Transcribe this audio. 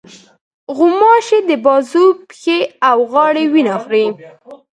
غوماشې د بازو، پښې، او غاړې وینه خوري.